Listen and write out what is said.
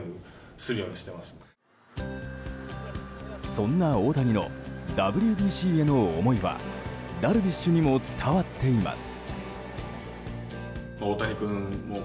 そんな大谷のＷＢＣへの思いはダルビッシュにも伝わっています。